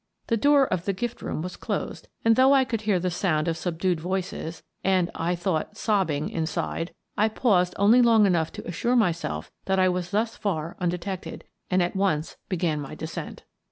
The door of the gift room was closed and, though I could hear the sound of subdued voices — and, I thought, sobbing — inside, I paused only long enough to assure myself that I was thus far undetected, and at once began my descent.